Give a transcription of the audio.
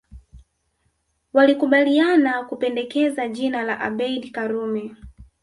Walikubaliana kupendekeza jina la Abeid Karume